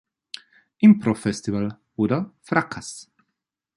„Improv Festival“ oder „Fracas!“